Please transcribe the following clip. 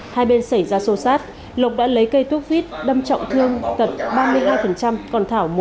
hai bên xảy ra xô xát lộc đã lấy cây thuốc vít đâm trọng thương tật ba mươi hai còn thảo